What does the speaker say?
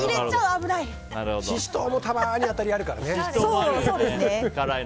シシトウもたまに当たりあるからね。